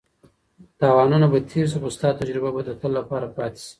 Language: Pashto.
تاوانونه به تېر شي خو ستا تجربه به د تل لپاره پاتې شي.